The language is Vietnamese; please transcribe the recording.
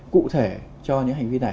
cụ thể cho những hành vi này